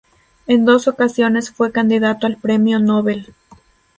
En dos ocasiones fue candidato al premio Nobel.